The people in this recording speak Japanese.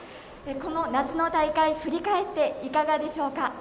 この夏の大会振り返って、いかがでしょうか？